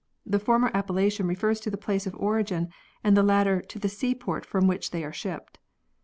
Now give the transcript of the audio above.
The former ap pellation refers to the place of origin and the latter to the seaport from which they are shipped.